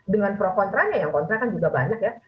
dengan pro kontranya yang kontra kan juga banyak ya